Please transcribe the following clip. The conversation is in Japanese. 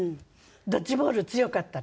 ドッジボール強かったの。